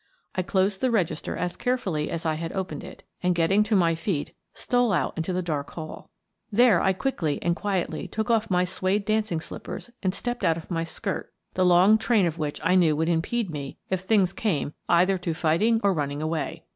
I closed the register as carefully as I had opened it and, getting to my feet, stole out into the dark hall. There I quickly and quietly took off my suede dancing slippers and stepped out of my skirt, the long train of which I knew would impede me if things came either to fighting or running away.